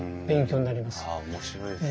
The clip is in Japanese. あ面白いですね。